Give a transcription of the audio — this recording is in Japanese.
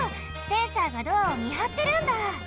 センサーがドアをみはってるんだ！